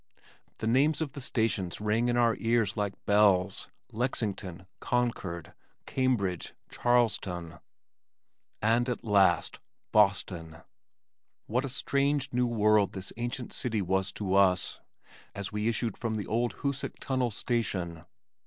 The names of the stations rang in our ears like bells, Lexington, Concord, Cambridge, Charlestown, and at last Boston! What a strange, new world this ancient city was to us, as we issued from the old Hoosac Tunnel station!